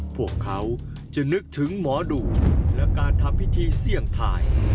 พวกเขาจะนึกถึงหมอดูและการทำพิธีเสี่ยงทาย